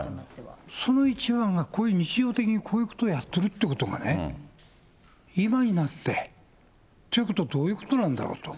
その一番がこういう日常的に、こういうことをやっているということがね、今になってということはどういうことなんだろうと。